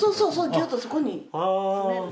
ギュッとそこに詰める。